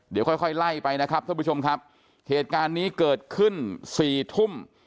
เดี๋ยวค่อยค่อยไล่ไปนะครับท่านผู้ชมครับเหตุการณ์นี้เกิดขึ้นสี่ทุ่ม